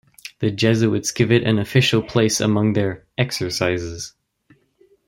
The Jesuits give it an official place among their "exercises".